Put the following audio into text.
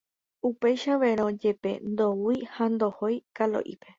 Upeichavérõ jepe ndoúi ha ndohói Kalo'ípe.